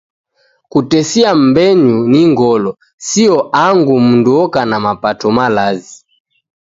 Kutesia m'mbenyu ni ngolo, sio angu mundu oka na mapato malazi.